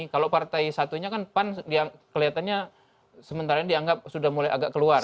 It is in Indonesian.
kalau partai satunya kan pan yang kelihatannya sementara ini dianggap sudah mulai agak keluar